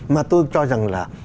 mà tôi cho rằng là